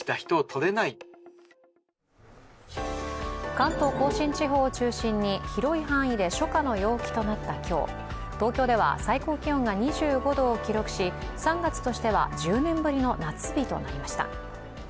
関東甲信地方を中心に広い範囲で初夏の陽気となった今日、東京では最高気温が２５度を記録し、３月としては１０年ぶりの夏日となりました。